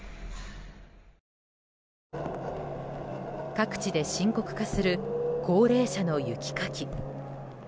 各地で深刻化する高齢者の雪かき。